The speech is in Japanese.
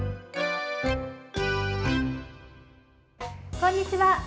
こんにちは。